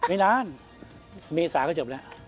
ไม่นานเมษาก็จบแล้ว